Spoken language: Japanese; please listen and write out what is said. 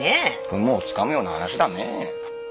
雲をつかむような話だねえ。